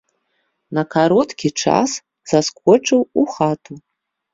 На кароткі час заскочыў у хату.